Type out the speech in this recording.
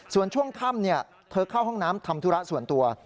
ส่วนช่วงค่ำเธอเข้าห้องน้ำทำธุระส่วนตัว